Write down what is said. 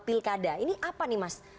pilkada ini apa nih mas